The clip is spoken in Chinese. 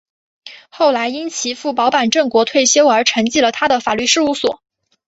后来因其父保坂正国退休而承继了他的法律事务所。